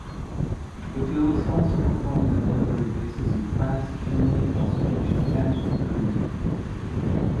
The Bills also performed at military bases in France, Germany, Austria, Japan, and Korea.